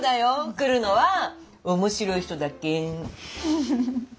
来るのは面白い人だけ。